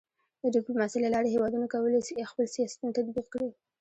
د ډيپلوماسۍ له لارې هېوادونه کولی سي خپل سیاستونه تطبیق کړي.